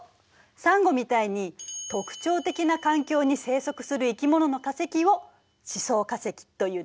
サンゴみたいに特徴的な環境に生息する生き物の化石を示相化石というのよ。